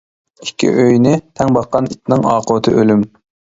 ئىككى ئۆينى تەڭ باققان ئىتنىڭ ئاقىۋىتى ئۆلۈم.